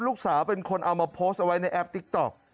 ลูกสาวเป็นคนเอามาโพสต์เอาไว้ในแอปติ๊กต๊อก